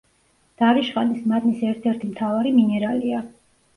დარიშხანის მადნის ერთ-ერთი მთავარი მინერალია.